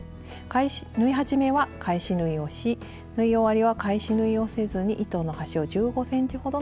縫い始めは返し縫いをし縫い終わりは返し縫いをせずに糸の端を１５ｃｍほど残して切ります。